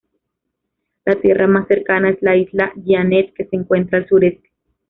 La tierra más cercana es la Isla Jeannette, que se encuentra al sureste.